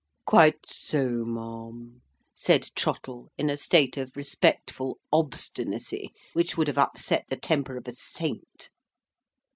"Quite so, ma'am," said Trottle, in a state of respectful obstinacy which would have upset the temper of a saint.